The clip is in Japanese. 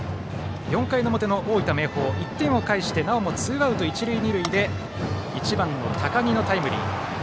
４回の表の大分・明豊１点を返してなおもツーアウト一塁二塁で１番の高木のタイムリー。